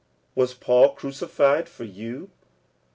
was Paul crucified for you?